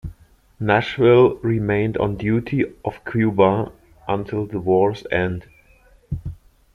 "Nashville" remained on duty off Cuba until the war's end.